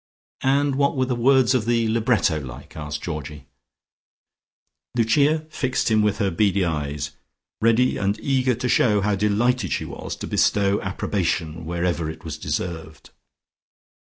"And what were the words of the libretto like?" asked Georgie. Lucia fixed him with her beady eyes, ready and eager to show how delighted she was to bestow approbation wherever it was deserved.